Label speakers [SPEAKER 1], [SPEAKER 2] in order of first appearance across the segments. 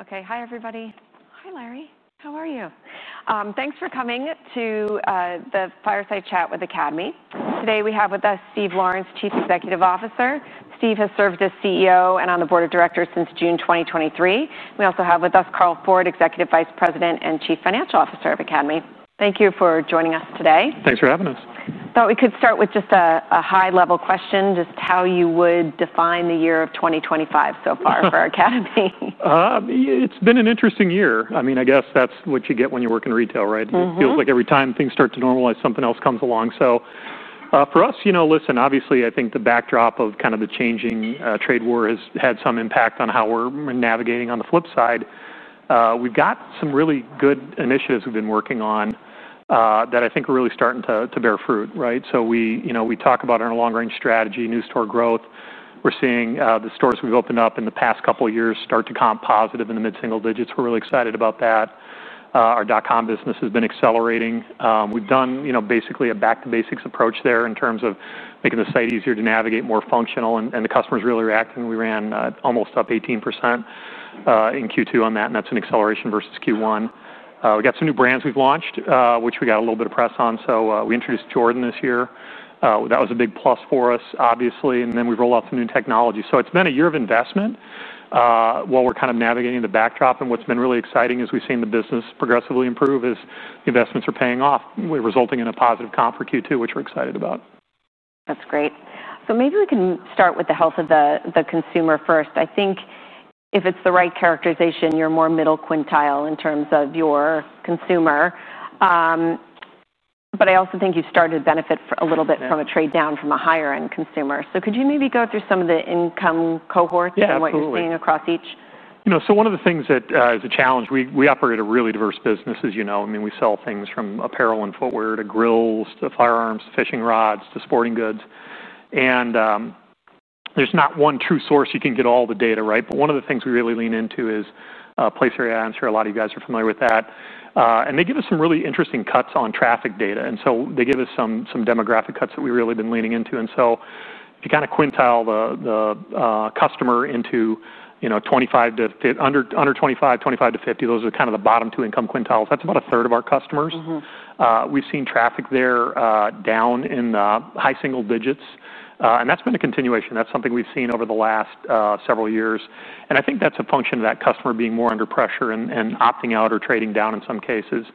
[SPEAKER 1] Okay, hi everybody. Hi Larry, how are you? Thanks for coming to the Fireside Chat with Academy. Today we have with us Steve Lawrence, Chief Executive Officer. Steve has served as CEO and on the Board of Directors since June 2023. We also have with us Carl Ford, Executive Vice President and Chief Financial Officer of Academy. Thank you for joining us today.
[SPEAKER 2] Thanks for having us.
[SPEAKER 1] Thought we could start with just a high-level question, just how you would define the year of 2025 so far for Academy.
[SPEAKER 2] It's been an interesting year. I mean, I guess that's what you get when you work in retail, right? It feels like every time things start to normalize, something else comes along. For us, obviously I think the backdrop of kind of the changing trade war has had some impact on how we're navigating. On the flip side, we've got some really good initiatives we've been working on that I think are really starting to bear fruit, right? We talk about our long-range strategy, new store growth. We're seeing the stores we've opened up in the past couple of years start to comp positive in the mid-single digits. We're really excited about that. Our e-commerce business has been accelerating. We've done basically a back-to-basics approach there in terms of making the site easier to navigate, more functional, and the customers are really reacting. We ran almost up 18% in Q2 on that, and that's an acceleration versus Q1. We've got some new brands we've launched, which we got a little bit of press on. We introduced Jordan this year. That was a big plus for us, obviously. We rolled out some new technology. It's been a year of investment while we're kind of navigating the backdrop. What's been really exciting is we've seen the business progressively improve as the investments are paying off, resulting in a positive comp for Q2, which we're excited about.
[SPEAKER 1] That's great. Maybe we can start with the health of the consumer first. I think if it's the right characterization, you're more middle quintile in terms of your consumer. I also think you started to benefit a little bit from a trade down from a higher-end consumer. Could you maybe go through some of the income cohorts and what you're seeing across each?
[SPEAKER 2] Yeah, of course. One of the things that is a challenge, we operate a really diverse business, as you know. I mean, we sell things from apparel and footwear to grills, to firearms, to fishing rods, to sporting goods. There's not one true source you can get all the data, right? One of the things we really lean into is Placer AI. I'm sure a lot of you guys are familiar with that. They give us some really interesting cuts on traffic data. They give us some demographic cuts that we've really been leaning into. If you kind of quintile the customer into, you know, 25 to under 25, 25 to 50, those are kind of the bottom two income quintiles. That's about a third of our customers. We've seen traffic there down in the high single digits. That's been a continuation. That's something we've seen over the last several years. I think that's a function of that customer being more under pressure and opting out or trading down in some cases.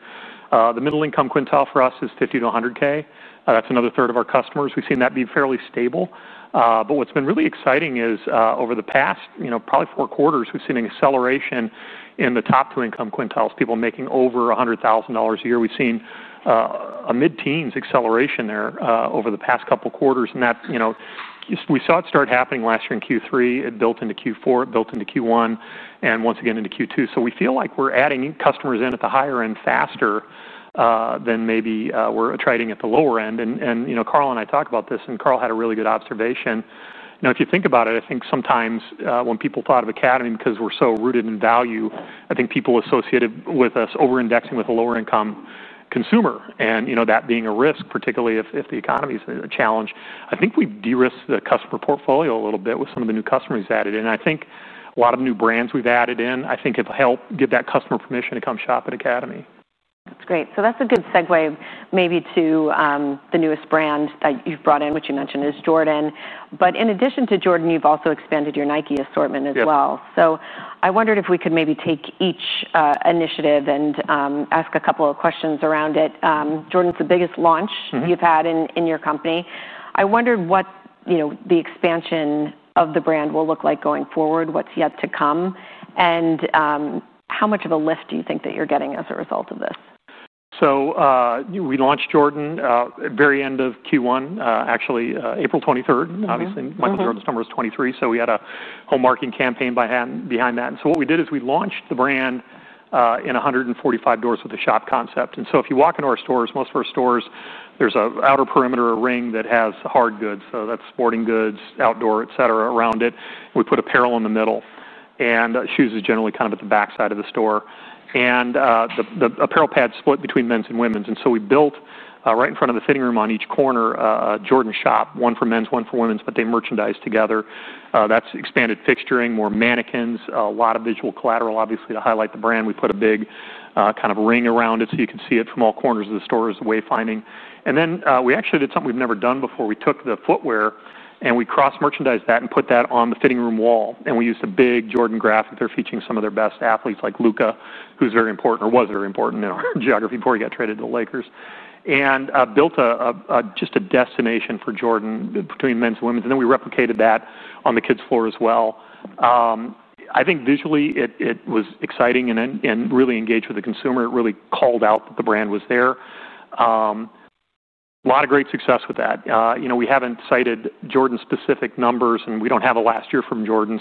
[SPEAKER 2] The middle income quintile for us is $50,000 - $100,000. That's another third of our customers. We've seen that be fairly stable. What's been really exciting is over the past, you know, probably four quarters, we've seen an acceleration in the top two income quintiles, people making over $100,000 a year. We've seen a mid-teens acceleration there over the past couple of quarters. We saw it start happening last year in Q3. It built into Q4, it built into Q1, and once again into Q2. We feel like we're adding customers in at the higher end faster than maybe we're trading at the lower end. Carl and I talk about this, and Carl had a really good observation. If you think about it, I think sometimes when people thought of Academy because we're so rooted in value, I think people associated with us over-indexing with a lower-income consumer and that being a risk, particularly if the economy is a challenge. I think we've de-risked the customer portfolio a little bit with some of the new customers we've added. I think a lot of the new brands we've added in, I think it'll help give that customer permission to come shop at Academy .
[SPEAKER 1] That's great. That's a good segue maybe to the newest brand that you've brought in, which you mentioned is Jordan. In addition to Jordan, you've also expanded your Nike assortment as well. I wondered if we could maybe take each initiative and ask a couple of questions around it. Jordan's the biggest launch you've had in your company. I wondered what the expansion of the brand will look like going forward, what's yet to come, and how much of a lift do you think that you're getting as a result of this?
[SPEAKER 2] We launched Jordan at the very end of Q1, actually April 23rd. Obviously, Michael Jordan's number is 23, so we had a home marketing campaign behind that. What we did is we launched the brand in 145 doors with a shop concept. If you walk into our stores, most of our stores, there's an outer perimeter ring that has hard goods. That's sporting goods, outdoor, et cetera, around it. We put apparel in the middle, and shoes is generally kind of at the backside of the store. The apparel pads split between men's and women's. We built right in front of the fitting room on each corner a Jordan shop, one for men's, one for women's, but they merchandise together. That's expanded fixturing, more mannequins, a lot of visual collateral, obviously, to highlight the brand. We put a big kind of ring around it so you could see it from all corners of the store as a wayfinding. We actually did something we've never done before. We took the footwear and we cross-merchandised that and put that on the fitting room wall. We used a big Jordan graphic there featuring some of their best athletes like Luca, who's very important or was very important in our geography before he got traded to the Lakers, and built just a destination for Jordan between men's and women's. We replicated that on the kids' floor as well. I think visually it was exciting and really engaged with the consumer. It really called out that the brand was there. A lot of great success with that. We haven't cited Jordan-specific numbers and we don't have a last year from Jordan.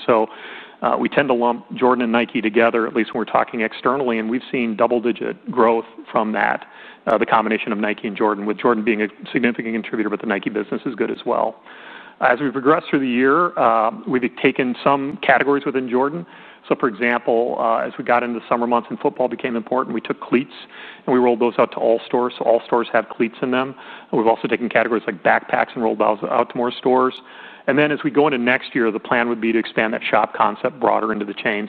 [SPEAKER 2] We tend to lump Jordan and Nike together, at least when we're talking externally. We've seen double-digit growth from that, the combination of Nike and Jordan, with Jordan being a significant contributor, but the Nike business is good as well. As we've progressed through the year, we've taken some categories within Jordan. For example, as we got into the summer months and football became important, we took cleats and we rolled those out to all stores. All stores had cleats in them. We've also taken categories like backpacks and rolled those out to more stores. As we go into next year, the plan would be to expand that shop concept broader into the chain.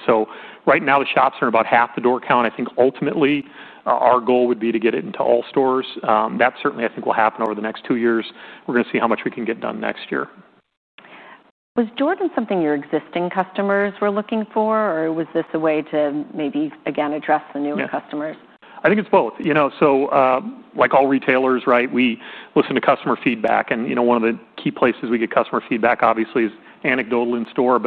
[SPEAKER 2] Right now the shops are in about half the door count. I think ultimately our goal would be to get it into all stores. That certainly I think will happen over the next two years. We're going to see how much we can get done next year.
[SPEAKER 1] Was Jordan something your existing customers were looking for, or was this a way to maybe again address the new customers?
[SPEAKER 2] I think it's both. Like all retailers, we listen to customer feedback. One of the key places we get customer feedback is obviously anecdotal in store.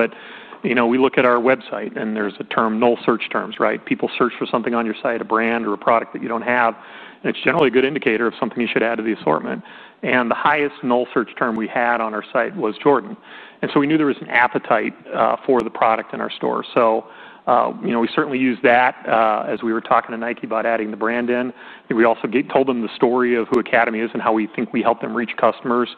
[SPEAKER 2] We look at our website and there's a term, null search terms. People search for something on your site, a brand or a product that you don't have, and it's generally a good indicator of something you should add to the assortment. The highest null search term we had on our site was Jordan. We knew there was an appetite for the product in our store. We certainly use that as we were talking to Nike about adding the brand in. We also told them the story of who Academy is and how we think we help them reach customers.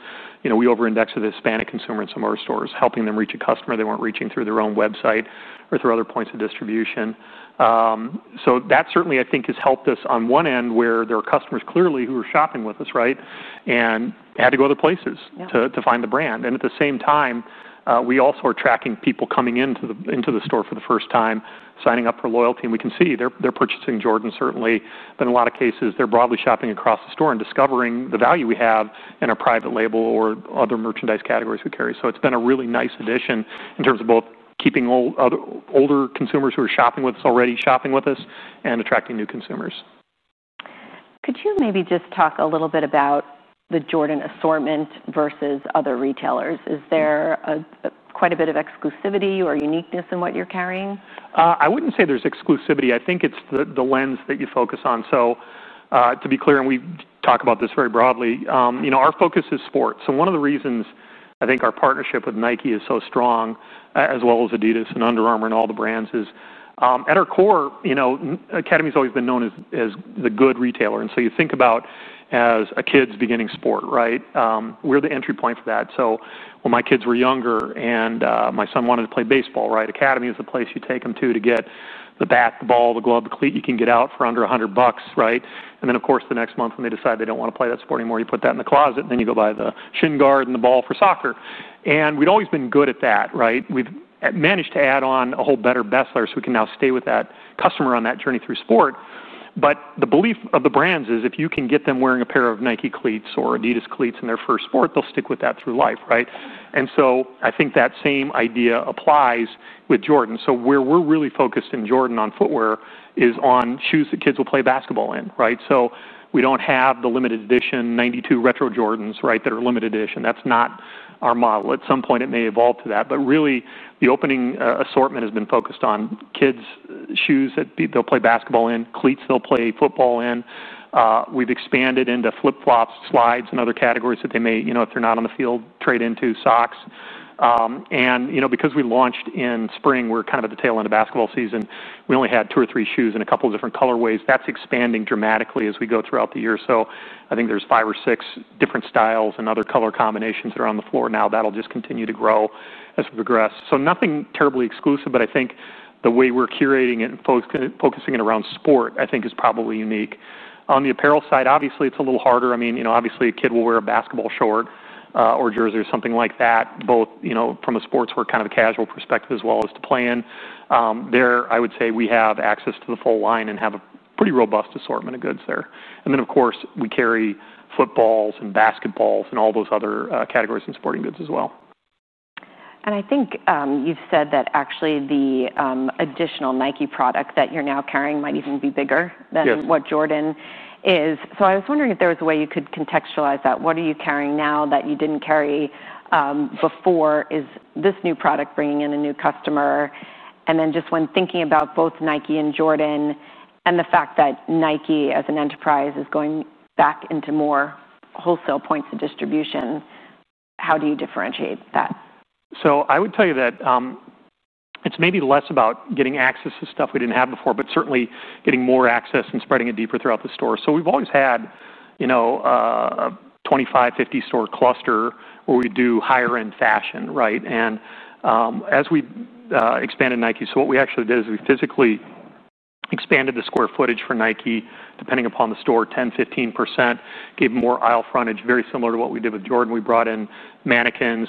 [SPEAKER 2] We over-indexed the Hispanic consumer in some of our stores, helping them reach a customer they weren't reaching through their own website or through other points of distribution. That certainly has helped us on one end where there are customers clearly who are shopping with us and had to go to other places to find the brand. At the same time, we also are tracking people coming into the store for the first time, signing up for loyalty. We can see they're purchasing Jordan certainly, but in a lot of cases, they're broadly shopping across the store and discovering the value we have in a private label or other merchandise categories we carry. It's been a really nice addition in terms of both keeping older consumers who are shopping with us already shopping with us and attracting new consumers.
[SPEAKER 1] Could you maybe just talk a little bit about the Jordan assortment versus other retailers? Is there quite a bit of exclusivity or uniqueness in what you're carrying?
[SPEAKER 2] I wouldn't say there's exclusivity. I think it's the lens that you focus on. To be clear, and we talk about this very broadly, our focus is sports. One of the reasons I think our partnership with Nike is so strong, as well as Adidas and Under Armour and all the brands, is at our core, Academy has always been known as the good retailer. You think about it as a kid's beginning sport, right? We're the entry point for that. When my kids were younger and my son wanted to play baseball, Academy is the place you take them to get the bat, the ball, the glove, the cleat. You can get out for under $100, right? The next month when they decide they don't want to play that sport anymore, you put that in the closet and then you go buy the shin guard and the ball for soccer. We've always been good at that. We've managed to add on a whole better bestseller, so we can now stay with that customer on that journey through sport. The belief of the brands is if you can get them wearing a pair of Nike cleats or Adidas cleats in their first sport, they'll stick with that through life. I think that same idea applies with Jordan. Where we're really focused in Jordan on footwear is on shoes that kids will play basketball in. We don't have the limited edition 1992 retro Jordans that are limited edition. That's not our model. At some point, it may evolve to that. The opening assortment has been focused on kids' shoes that they'll play basketball in, cleats they'll play football in. We've expanded into flip-flops, slides, and other categories that they may, if they're not on the field, trade into socks. Because we launched in spring, we're kind of at the tail end of basketball season, we only had two or three shoes in a couple of different colorways. That's expanding dramatically as we go throughout the year. I think there's five or six different styles and other color combinations that are on the floor now. That'll just continue to grow as we progress. Nothing terribly exclusive, but I think the way we're curating it and focusing it around sport is probably unique. On the apparel side, obviously, it's a little harder. Obviously, a kid will wear a basketball short or jersey or something like that, both from a sportswear kind of a casual perspective as well as to play in. There, I would say we have access to the full line and have a pretty robust assortment of goods there. Of course, we carry footballs and basketballs and all those other categories and sporting goods as well.
[SPEAKER 1] I think you've said that actually the additional Nike product that you're now carrying might even be bigger than what Jordan is. I was wondering if there was a way you could contextualize that. What are you carrying now that you didn't carry before? Is this new product bringing in a new customer? When thinking about both Nike and Jordan and the fact that Nike as an enterprise is going back into more wholesale points of distribution, how do you differentiate that?
[SPEAKER 2] I would tell you that it's maybe less about getting access to stuff we didn't have before, but certainly getting more access and spreading it deeper throughout the store. We've always had, you know, a 25, 50 store cluster where we do higher-end fashion, right? As we expanded Nike, what we actually did is we physically expanded the square footage for Nike, depending upon the store, 10%, 15%, gave more aisle frontage, very similar to what we did with Jordan. We brought in mannequins,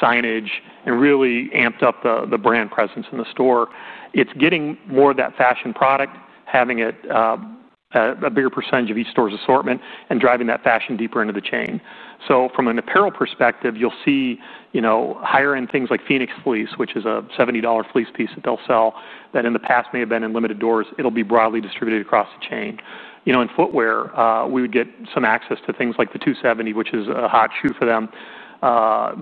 [SPEAKER 2] signage, and really amped up the brand presence in the store. It's getting more of that fashion product, having a bigger percentage of each store's assortment, and driving that fashion deeper into the chain. From an apparel perspective, you'll see, you know, higher-end things like Phoenix fleece, which is a $70 fleece piece that they'll sell, that in the past may have been in limited doors, it'll be broadly distributed across the chain. In footwear, we would get some access to things like the 270, which is a hot shoe for them.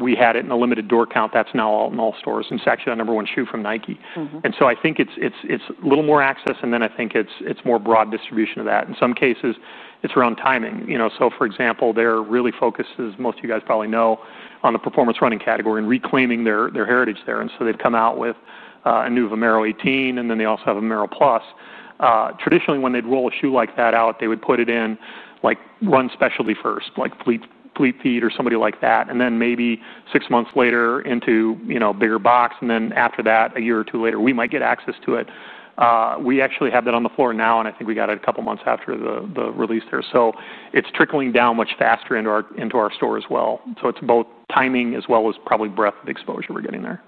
[SPEAKER 2] We had it in a limited door count that's now out in all stores. It's actually our number one shoe from Nike. I think it's a little more access, and then I think it's more broad distribution of that. In some cases, it's around timing. For example, they're really focused, as most of you guys probably know, on the performance running category and reclaiming their heritage there. They'd come out with a new Vomero 18, and then they also have a Vomero Plus. Traditionally, when they'd roll a shoe like that out, they would put it in like run specialty first, like Fleet Feet or somebody like that. Maybe six months later into, you know, a bigger box. After that, a year or two later, we might get access to it. We actually have that on the floor now, and I think we got it a couple of months after the release there. It's trickling down much faster into our store as well. It's both timing as well as probably breadth of the exposure we're getting there.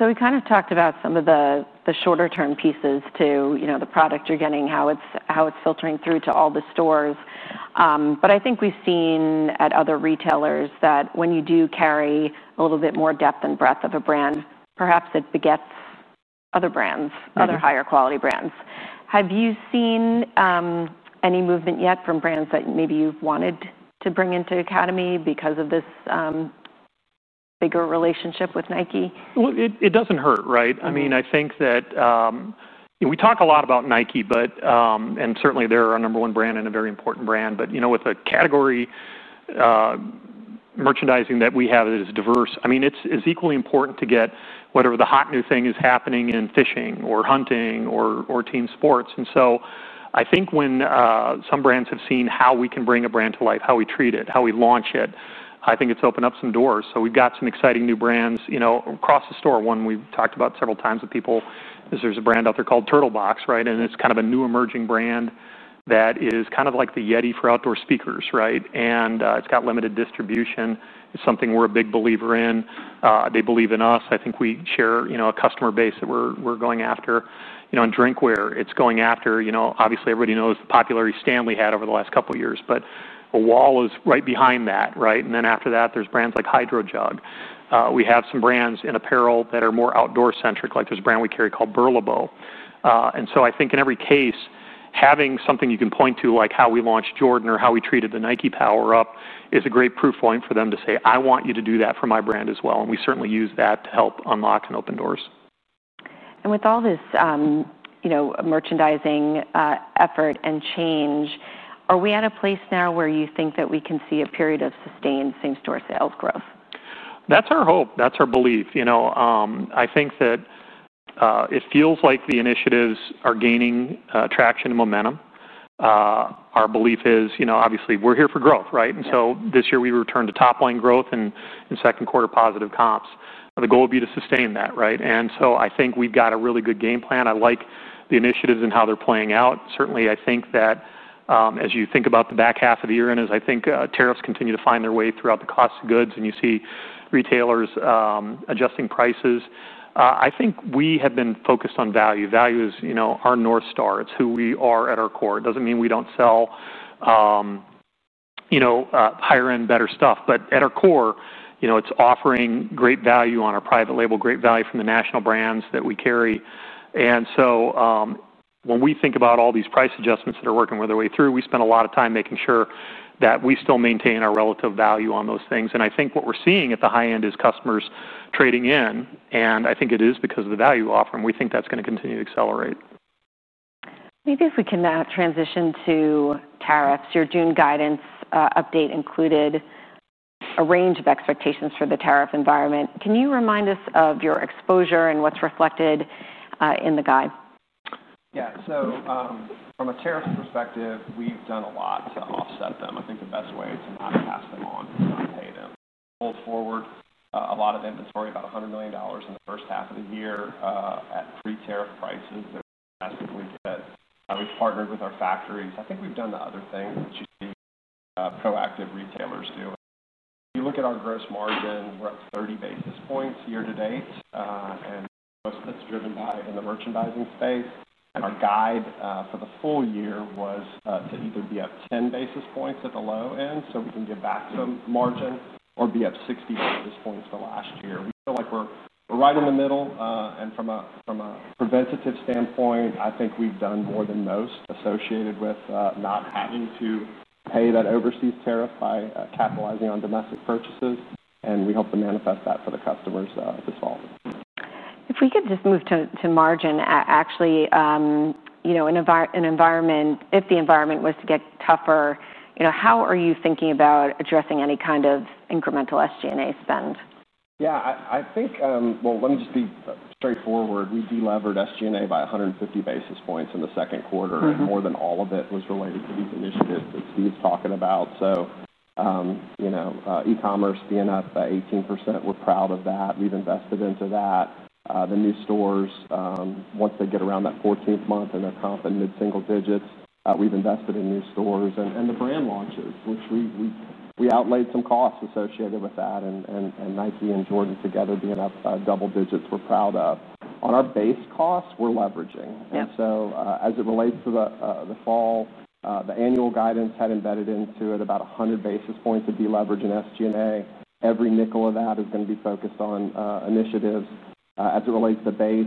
[SPEAKER 1] We kind of talked about some of the shorter-term pieces too, you know, the product you're getting, how it's filtering through to all the stores. I think we've seen at other retailers that when you do carry a little bit more depth and breadth of a brand, perhaps it begets other brands, other higher quality brands. Have you seen any movement yet from brands that maybe you've wanted to bring into Academy because of this bigger relationship with Nike?
[SPEAKER 2] I mean, I think that we talk a lot about Nike, and certainly they're our number one brand and a very important brand. You know, with the category merchandising that we have that is diverse, it's equally important to get whatever the hot new thing is happening in fishing or hunting or team sports. I think when some brands have seen how we can bring a brand to life, how we treat it, how we launch it, I think it's opened up some doors. We've got some exciting new brands across the store. One we've talked about several times with people is there's a brand out there called Turtlebox, right? It's kind of a new emerging brand that is kind of like the Yeti for outdoor speakers, right? It's got limited distribution. It's something we're a big believer in. They believe in us. I think we share a customer base that we're going after. You know, in drinkware, it's going after, you know, obviously everybody knows the popularity Stanley had over the last couple of years, but Owala is right behind that, right? After that, there's brands like HydroJug. We have some brands in apparel that are more outdoor-centric, like there's a brand we carry called BURLEBO. I think in every case, having something you can point to, like how we launched Jordan or how we treated the Nike power-up, is a great proof point for them to say, "I want you to do that for my brand as well." We certainly use that to help unlock and open doors.
[SPEAKER 1] With all this merchandising effort and change, are we at a place now where you think that we can see a period of sustained comparable sales growth?
[SPEAKER 2] That's our hope. That's our belief. I think that it feels like the initiatives are gaining traction and momentum. Our belief is, obviously we're here for growth, right? This year we returned to top-line growth and in second quarter positive comps. The goal would be to sustain that, right? I think we've got a really good game plan. I like the initiatives and how they're playing out. Certainly, I think that as you think about the back half of the year and as tariffs continue to find their way throughout the cost of goods and you see retailers adjusting prices, I think we have been focused on value. Value is our North Star. It's who we are at our core. It doesn't mean we don't sell higher-end better stuff. At our core, it's offering great value on our private label, great value from the national brands that we carry. When we think about all these price adjustments that are working their way through, we spend a lot of time making sure that we still maintain our relative value on those things. I think what we're seeing at the high end is customers trading in. I think it is because of the value we're offering. We think that's going to continue to accelerate.
[SPEAKER 1] Maybe if we can now transition to tariffs, your June guidance update included a range of expectations for the tariff environment. Can you remind us of your exposure and what's reflected in the guide?
[SPEAKER 3] Yeah, from a tariffs perspective, we've done a lot to offset them. I think the best way to not pass them on is to pay them. Pulled forward a lot of the inventory, about $100 million in the first half of the year at free tariff prices. That's because we've partnered with our factories. I think we've done the other thing that you see proactive retailers do. If you look at our gross margin, we're up 30 basis points year to date. Most of it's driven by in the merchandising space. Our guide for the full year was to either be up 10 basis points at the low end so we can give back some margin or be up 60 basis points last year. We feel like we're right in the middle. From a preventative standpoint, I think we've done more than most associated with not having to pay that overseas tariff by capitalizing on domestic purchases. We hope to manifest that for the customers this fall.
[SPEAKER 1] If we could just move to margin, actually, in an environment, if the environment was to get tougher, how are you thinking about addressing any kind of incremental SG&A spend?
[SPEAKER 3] I think, let me just be straightforward. We delivered SG&A by 150 basis points in the second quarter, and more than all of it was related to these initiatives that Steve's talking about. E-commerce being up by 18%, we're proud of that. We've invested into that. The new stores, once they get around that 14th month and they're comping mid-single digits, we've invested in new stores and the brand launches, which we outlaid some costs associated with that. Nike and Jordan together being up double digits, we're proud of. On our base costs, we're leveraging. As it relates to the fall, the annual guidance had embedded into it about 100 basis points of deleveraging SG&A. Every nickel of that is going to be focused on initiatives. As it relates to base,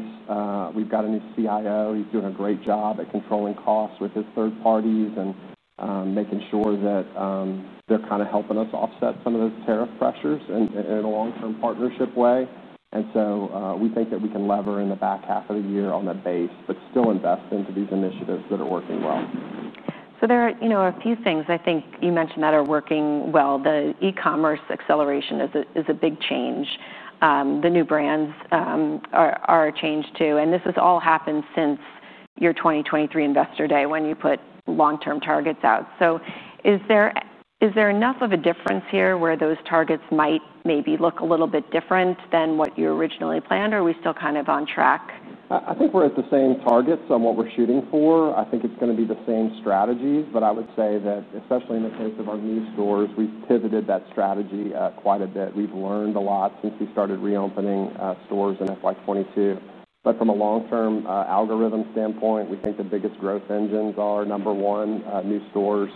[SPEAKER 3] we've got a new CIO. He's doing a great job at controlling costs with his third parties and making sure that they're kind of helping us offset some of those tariff pressures in a long-term partnership way. We think that we can lever in the back half of the year on the base, but still invest into these initiatives that are working well.
[SPEAKER 1] There are a few things I think you mentioned that are working well. The e-commerce acceleration is a big change. The new brands are a change too. This has all happened since your 2023 Investor Day when you put long-term targets out. Is there enough of a difference here where those targets might maybe look a little bit different than what you originally planned, or are we still kind of on track?
[SPEAKER 3] I think we're at the same targets on what we're shooting for. I think it's going to be the same strategy. I would say that especially in the case of our new stores, we've pivoted that strategy quite a bit. We've learned a lot since we started reopening stores in 2022. From a long-term algorithm standpoint, we think the biggest growth engines are, number one, new stores.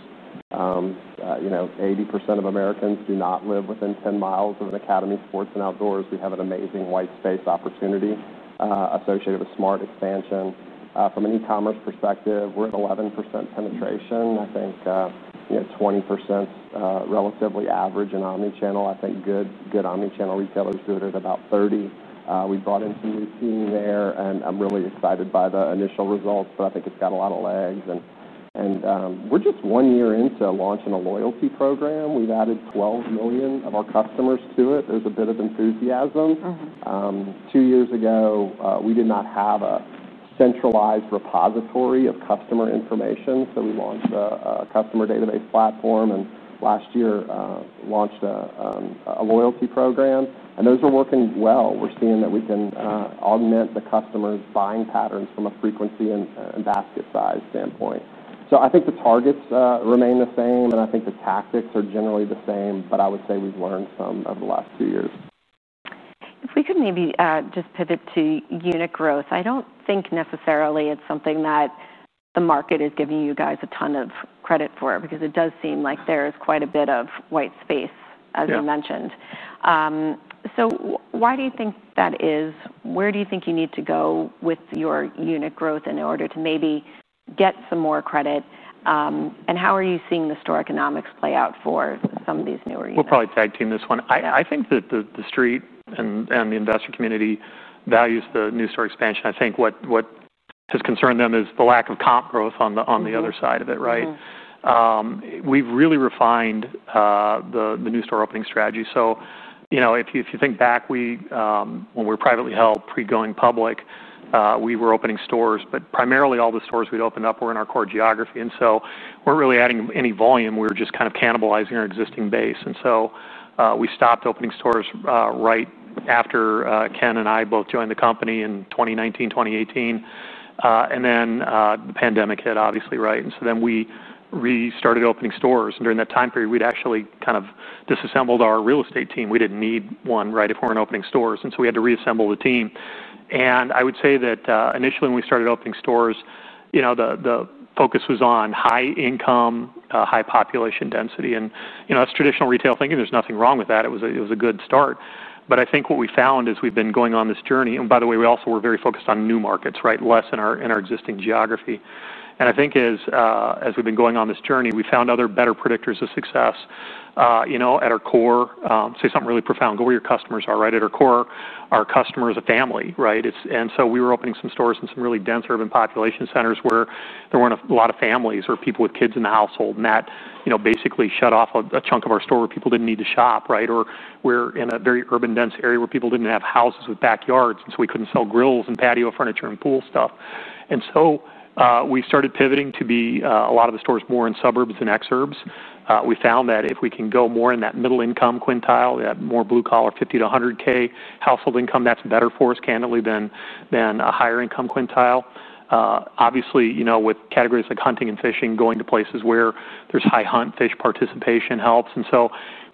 [SPEAKER 3] You know, 80% of Americans do not live within 10 mi of an Academy Sports and Outdoors. We have an amazing white space opportunity associated with smart expansion. From an e-commerce perspective, we're at 11% penetration. I think 20% is relatively average in omnichannel. I think good omnichannel retailers do it at about 30%. We've brought in some new team there, and I'm really excited by the initial results. I think it's got a lot of legs. We're just one year into launching a loyalty program. We've added 12 million of our customers to it. There's a bit of enthusiasm. Two years ago, we did not have a centralized repository of customer information. We launched a customer database platform and last year launched a loyalty program. Those are working well. We're seeing that we can augment the customer's buying patterns from a frequency and basket size standpoint. I think the targets remain the same, and I think the tactics are generally the same. I would say we've learned some over the last two years.
[SPEAKER 1] If we could maybe just pivot to uni t growth, I don't think necessarily it's something that the market is giving you guys a ton of credit for because it does seem like there's quite a bit of white space, as you mentioned. Why do you think that is? Where do you think you need to go with your unit growth in or d er to maybe get some more credit? How are you seeing the store economics play out for some of these newer units.
[SPEAKER 2] We'll probably tag team this one. I think that the street and the investor community values the new store expansion. I think what has concerned them is the lack of comp growth on the other side of it, right? We've really refined the new store opening strategy. If you think back, when we were privately held, pre-going public, we were opening stores, but primarily all the stores we'd opened up were in our core geography. We weren't really adding any volume. We were just kind of cannibalizing our existing base. We stopped opening stores right after Ken and I both joined the company in 2019, 2018 and then the pandemic hit, obviously, right? We restarted opening stores. During that time period, we'd actually kind of disassembled our real estate team. We didn't need one, right, if we weren't opening stores. We had to reassemble the team I would say that initially when we started opening stores, the focus was on high income, high population density. That's traditional retail thinking. There's nothing wrong with that. It was a good start. I think what we found is we've been going on this journey. By the way, we also were very focused on new markets, less in our existing geography. I think as we've been going on this journey, we found other better predictors of success. At our core, say something really profound, go where your customers are, right? At our core, our customer is a family, right? We were opening some stores in some really dense urban population centers where there weren't a lot of families or people with kids in the household. That basically shut off a chunk of our store where people didn't need to shop, right? Or we're in a very urban dense area where people didn't have houses with backyards. We couldn't sell grills and patio furniture and pool stuff. We started pivoting to be a lot of the stores more in suburbs and exurbs. We found that if we can go more in that middle income quintile, that more blue collar $50,000 - $100,000 household income, that's better for us candidly than a higher income quintile. Obviously, with categories like hunting and fishing, going to places where there's high hunt, fish participation helps.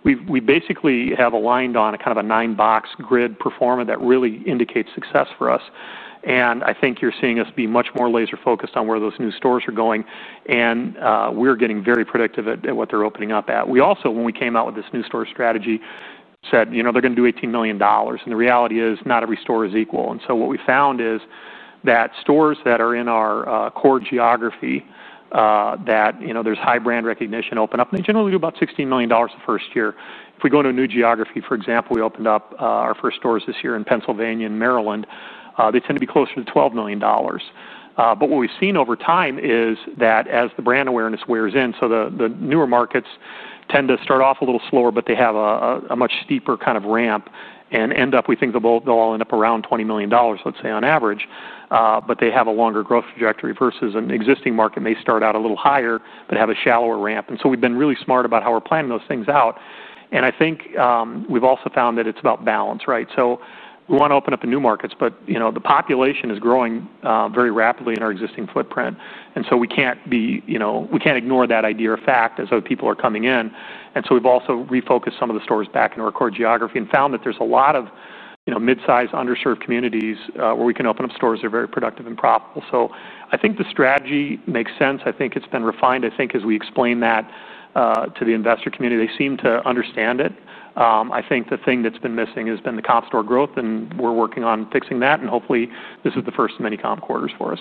[SPEAKER 2] We basically have aligned on a kind of a nine-box grid performance that really indicates success for us. I think you're seeing us be much more laser-focused on where those new stores are going. We're getting very predictive at what they're opening up at. When we came out with this new store strategy, we said, you know, they're going to do $18 million. The reality is not every store is equal. What we found is that stores that are in our core geography, that, you know, there's high brand recognition open up, they generally do about $16 million the first year. If we go to a new geography, for example, we opened up our first stores this year in Pennsylvania and Maryland, they tend to be closer to $12 million. What we've seen over time is that as the brand awareness wears in, the newer markets tend to start off a little slower, but they have a much steeper kind of ramp and end up, we think they'll all end up around $20 million, let's say on average. They have a longer growth trajectory versus an existing market, which may start out a little higher but have a shallower ramp. We've been really smart about how we're planning those things out. I think we've also found that it's about balance, right? We want to open up in new markets, but, you know, the population is growing very rapidly in our existing footprint. We can't ignore that idea or fact as other people are coming in. We've also refocused some of the stores back into our core geography and found that there's a lot of, you know, mid-sized underserved communities where we can open up stores that are very productive and profitable. I think the strategy makes sense. I think it's been refined. I think as we explain that to the investor community, they seem to understand it. I think the thing that's been missing has been the comp store growth, and we're working on fixing that. Hopefully, this is the first of many comp quarters for us.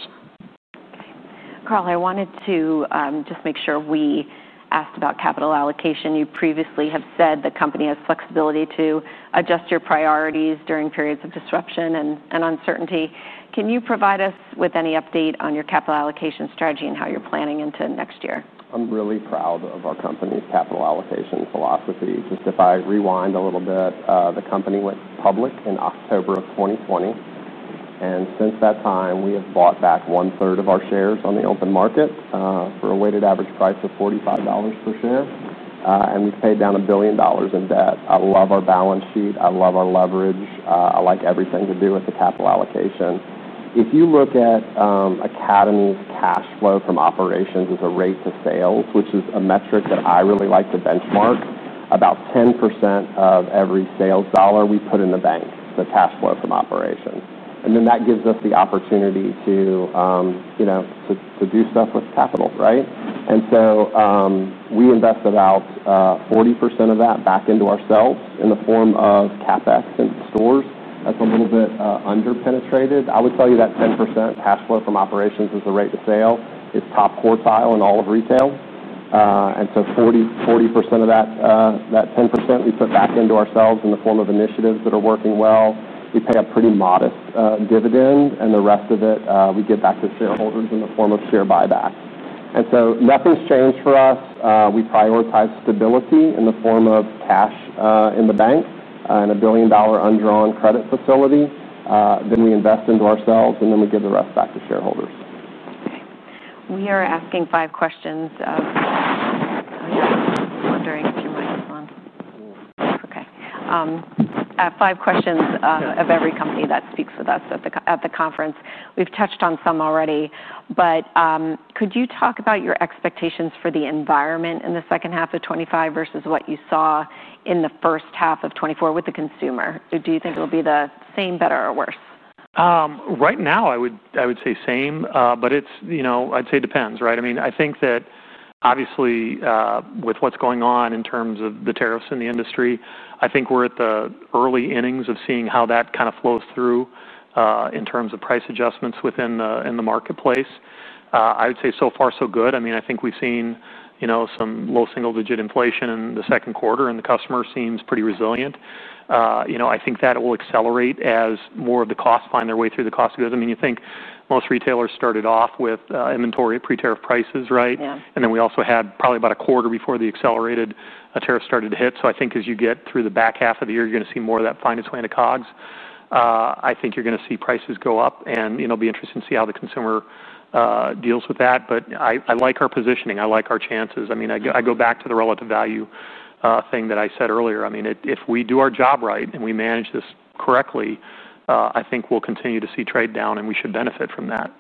[SPEAKER 1] Carl, I wanted to just make sure we asked about capital allocation. You previously have said the company has flexibility to adjust your priorities during periods of disruption and uncertainty. Can you provide us with any update on your capital allocation strategy and how you're planning into next year?
[SPEAKER 3] I'm really proud of our company's capital allocation philosophy. If I rewind a little bit, the company went public in October of 2020. Since that time, we have bought back one-third of our shares on the open market for a weighted average price of $45 per share, and we've paid down $1 billion in debt. I love our balance sheet. I love our leverage. I like everything to do with the capital allocation. If you look at Academy s' cash flow from operations as a rate to sales, which is a metric that I really like to benchmark, about 10% of every sales dollar we put in the bank, the cash flow from operation. That gives us the opportunity to do stuff with capital, right? We invest about 40% of that back into ourselves in the form of CapEx in stores. That's a little bit underpenetrated. I would tell you that 10% cash flow from operations as a rate to sales is top quartile in all of retail. 40% of that 10% we put back into ourselves in the form of initiatives that are working well. We pay a pretty modest dividend, and the rest of it we give back to shareholders in the form of share buyback. Nothing's changed for us. We prioritize stability in the form of cash in the bank and a $1 billion undrawn credit facility. We invest into ourselves, and we give the rest back to shareholders.
[SPEAKER 1] Okay. We are asking five questions of every company that speaks with us at the conference. We've touched on some already, but could you talk about your expectations for the environment in the second half of 2025 versus what you saw in the first half of 2024 with the consumer? Do you think it'll be the same, better, or worse?
[SPEAKER 2] Right now, I would say same, but it's, you know, I'd say it depends, right? I mean, I think that obviously with what's going on in terms of the tariffs in the industry, I think we're at the early innings of seeing how that kind of flows through in terms of price adjustments within the marketplace. I would say so far, so good. I mean, I think we've seen some low single-digit inflation in the second quarter, and the customer seems pretty resilient. I think that it will accelerate as more of the costs find their way through the cost of goods. I mean, you think most retailers started off with inventory at pre-tariff prices, right? We also had probably about a quarter before the accelerated tariff started to hit. I think as you get through the back half of the year, you're going to see more of that find its way into COGS. I think you're going to see prices go up, and it will be interesting to see how the consumer deals with that. I like our positioning. I like our chances. I go back to the relative value thing that I said earlier. If we do our job right and we manage this correctly, I think we'll continue to see trade down, and we should benefit from that.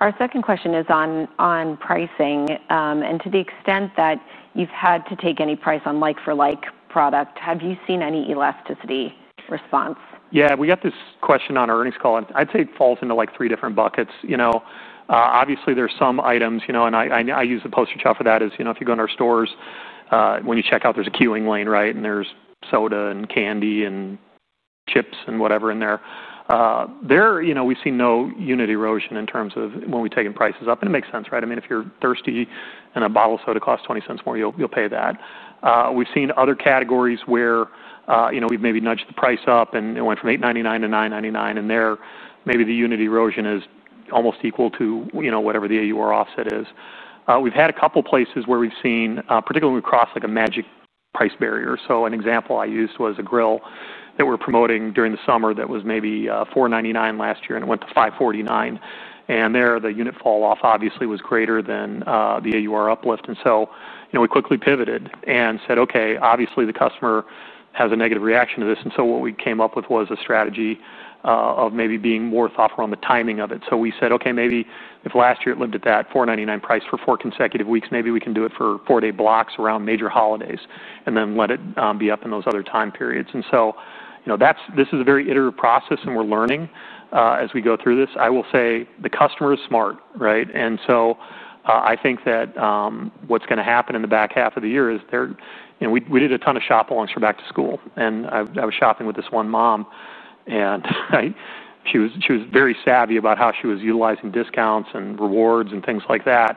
[SPEAKER 1] Our second question is on pricing. To the extent that you've had to take any price on like-for-like product, have you seen any elasticity response?
[SPEAKER 2] Yeah, we got this question on our earnings call. I'd say it falls into like three different buckets. Obviously, there's some items, and I use the poster chart for that. As you know, if you go into our stores, when you check out, there's a queuing lane, right? There's soda and candy and chips and whatever in there. We've seen no unit erosion in terms of when we take prices up. It makes sense, right? I mean, if you're thirsty and a bottle of soda costs $0.20 more, you'll pay that. We've seen other categories where we've maybe nudged the price up and it went from $8.99 to $9.99. There, maybe the unit erosion is almost equal to whatever the AUR offset is. We've had a couple of places where we've seen, particularly when we cross a magic price barrier. An example I used was a grill that we're promoting during the summer that was maybe $499 last year, and it went to $549. There, the unit fall-off obviously was greater than the AUR uplift. We quickly pivoted and said, okay, obviously the customer has a negative reaction to this. What we came up with was a strategy of maybe being more thoughtful on the timing of it. We said, okay, maybe if last year it lived at that $499 price for four consecutive weeks, maybe we can do it for four-day blocks around major holidays and then let it be up in those other time periods. This is a very iterative process and we're learning as we go through this. I will say the customer is smart, right? I think that what's going to happen in the back half of the year is there, we did a ton of shop-alongs for back to school. I was shopping with this one mom, and she was very savvy about how she was utilizing discounts and rewards and things like that.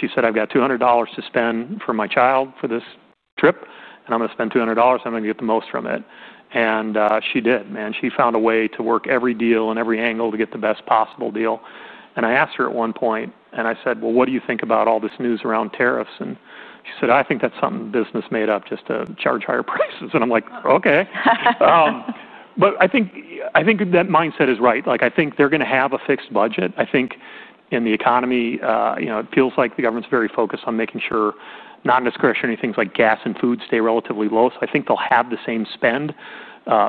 [SPEAKER 2] She said, I've got $200 to spend for my child for this trip, and I'm going to spend $200, and I'm going to get the most from it. She did, man. She found a way to work every deal and every angle to get the best possible deal. I asked her at one point, and I said, what do you think about all this news around tariffs? She said, I think that's something the business made up just to charge higher prices. I'm like, okay. I think that mindset is right. I think they're going to have a fixed budget. I think in the economy, you know, it feels like the government's very focused on making sure non-discretionary things like gas and food stay relatively low. I think they'll have the same spend,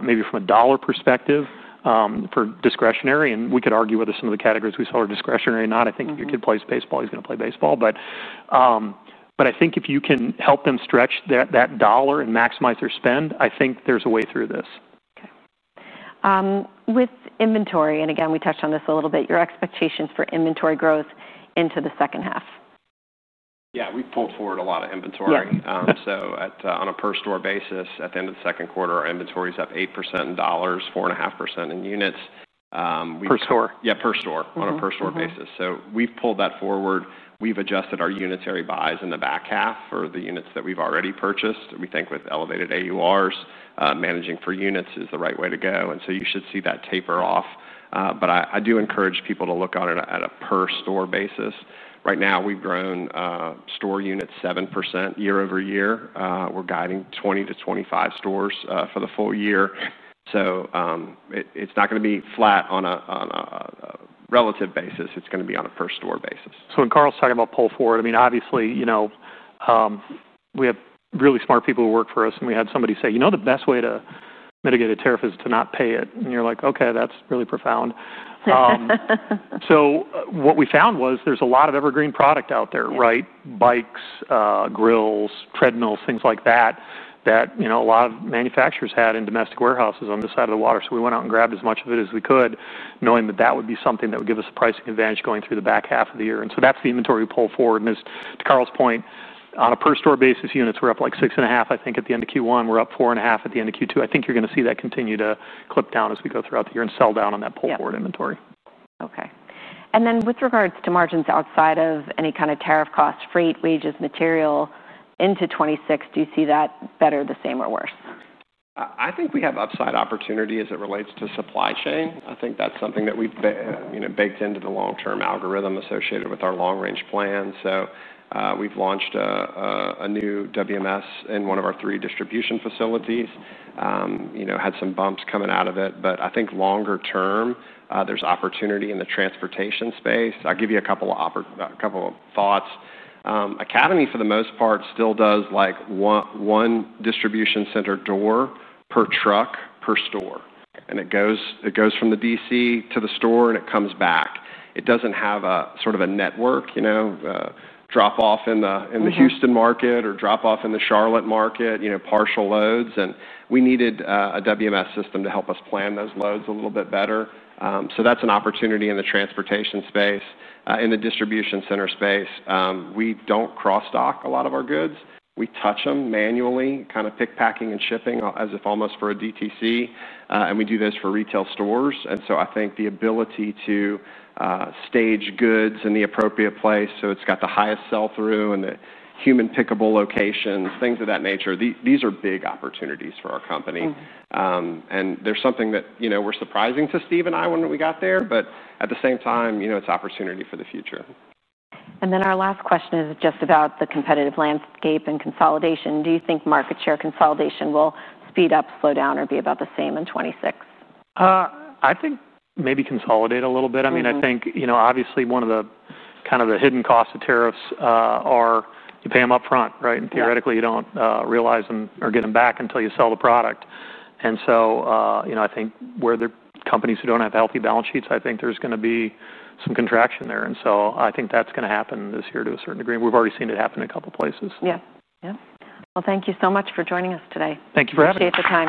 [SPEAKER 2] maybe from a dollar perspective, for discretionary. We could argue whether some of the categories we saw are discretionary or not. I think if your kid plays baseball, he's going to play baseball. If you can help them stretch that dollar and maximize their spend, I think there's a way through this.
[SPEAKER 1] Okay. With inventory, and again, we touched on this a little bit, your expectations for inventory growth into the second half?
[SPEAKER 3] Yeah, we've pulled forward a lot of inventory. On a per-store basis, at the end of the second quarter, our inventories have 8% in dollars, 4.5% in units.
[SPEAKER 1] Per store?
[SPEAKER 3] Yeah, per store, on a per-store basis. We've pulled that forward. We've adjusted our unitary buys in the back half for the units that we've already purchased. We think with elevated AURs, managing for units is the right way to go. You should see that taper off. I do encourage people to look at it on a per-store basis. Right now, we've grown store units 7% year -over -year. We're guiding 20 - 25 stores for the full year. It's not going to be flat on a relative basis. It's going to be on a per-store basis.
[SPEAKER 2] When Carl's talking about pull forward, obviously, we have really smart people who work for us. We had somebody say, the best way to mitigate a tariff is to not pay it. You're like, okay, that's really profound. What we found was there's a lot of evergreen product out there, right? Bikes, grills, treadmills, things like that, that a lot of manufacturers had in domestic warehouses on this side of the water. We went out and grabbed as much of it as we could, knowing that would be something that would give us a pricing advantage going through the back half of the year. That's the inventory we pull forward. As to Carl's point, on a per-store basis, units were up like 6.5% at the end of Q1. We're up 4.5% at the end of Q2. I think you're going to see that continue to clip down as we go throughout the year and sell down on that pull forward inventory.
[SPEAKER 1] Okay. With regards to margins outside of any kind of tariff costs, freight, wages, material into 2026, do you see that better, the same, or worse?
[SPEAKER 3] I think we have upside opportunity as it relates to supply chain. I think that's something that we've baked into the long-term algorithm associated with our long-range plan. We've launched a new warehouse management system in one of our three distribution facilities. We had some bumps coming out of it. I think longer term, there's opportunity in the transportation space. I'll give you a couple of thoughts. Academy, for the most part, still does like one distribution center door per truck per store. It goes from the distribution center to the store and it comes back. It doesn't have a sort of a network drop-off in the Houston market or drop-off in the Charlotte market, partial loads. We needed a warehouse management system to help us plan those loads a little bit better. That's an opportunity in the transportation space. In the distribution center space, we don't cross-dock a lot of our goods. We touch them manually, kind of pick-packing and shipping as if almost for a DTC. We do this for retail stores. I think the ability to stage goods in the appropriate place so it's got the highest sell-through and the human pickable locations, things of that nature, these are big opportunities for our company. There's something that was surprising to Steve and I when we got there. At the same time, it's an opportunity for the future.
[SPEAKER 1] Our last question is just about the competitive landscape and consolidation. Do you think market share consolidation will speed up, slow down, or be about the same in 2026?
[SPEAKER 2] I think maybe consolidate a little bit. One of the kind of the hidden costs of tariffs is you pay them up front, right? Theoretically, you don't realize them or get them back until you sell the product. I think where the companies who don't have healthy balance sheets, there's going to be some contraction there. I think that's going to happen this year to a certain degree. We've already seen it happen in a couple of places.
[SPEAKER 1] Yeah. Thank you so much for joining us today.
[SPEAKER 2] Thank you for having me.
[SPEAKER 1] Appreciate the time.